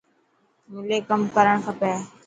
ملي ڪم ڪرڻ کپي.